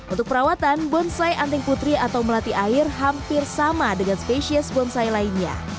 untuk perawatan bonsai anting putri atau melati air hampir sama dengan spesies bonsai lainnya